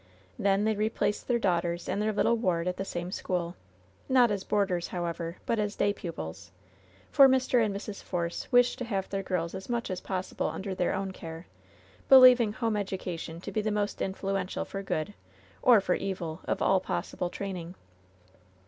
Then they replaced their daughters and their little ward at the same school — ^not as boarders, however, but as day pupils, for Mr. and Mrs. Force wished to have their girls as much as possible under their own care, believing home education to be the most influential for good — or for evil — of all possible training.